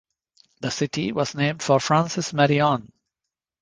The city was named for Francis Marion.